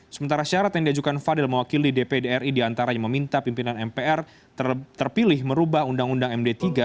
sementara syarat yang diajukan fadil mewakili dpd ri diantaranya meminta pimpinan mpr terpilih merubah undang undang md tiga